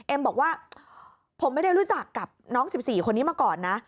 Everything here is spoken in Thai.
บอกว่าผมไม่ได้รู้จักกับน้อง๑๔คนนี้มาก่อนนะ